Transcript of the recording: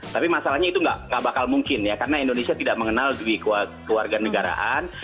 tapi masalahnya itu tidak bakal mungkin ya karena indonesia tidak mengenal kewarganegaraan